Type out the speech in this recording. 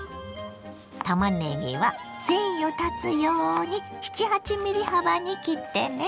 たまねぎは繊維を断つように７８ｍｍ幅に切ってね。